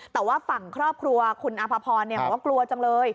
แต่ว่าฝั่งครอบครัวคุณอภพรบอกว่ากลัวจังเลย